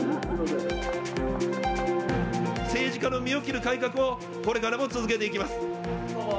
政治家の身を切る改革を、これからも続けていきます。